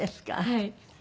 はい。